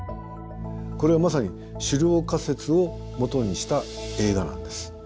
これはまさに狩猟仮説を基にした映画なんです。